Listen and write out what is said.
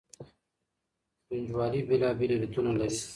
ګنجوالي بېلابېل علتونه لري.